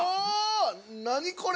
◆何、これ。